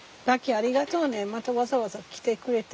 ありがとうねまたわざわざ来てくれて。